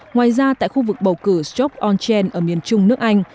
ngoài ra tại khu vực bầu cử stoke on chairn ở miền trung nước anh